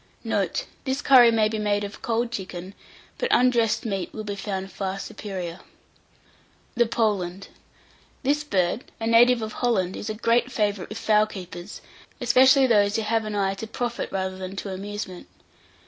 Note. This curry may be made of cold chicken, but undressed meat will be found far superior. THE POLAND. This bird, a native of Holland, is a great favourite with fowl keepers, especially those who have on eye to profit rather than to amusement.